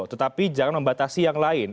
tetapi jangan membatasi yang lain